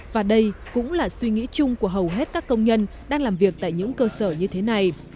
và đây cũng là suy nghĩ chung của hầu hết các công nhân đang làm việc tại những cơ sở như thế này